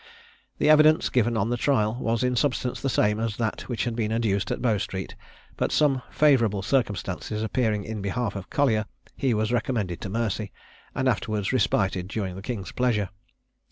The evidence given on the trial, was in substance the same as that which had been adduced at Bow street; but some favourable circumstances appearing in behalf of Collier, he was recommended to mercy, and afterwards respited during the king's pleasure.